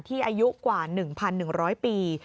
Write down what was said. อายุกว่า๑๑๐๐ปี